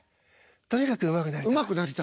とにかくうまくなりたい。